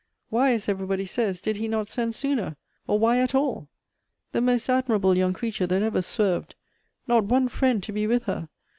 Why, as every body says, did he not send sooner? Or, Why at all? The most admirable young creature that ever swerved! Not one friend to be with her!